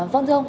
vâng thưa ông